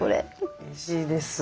おいしいです。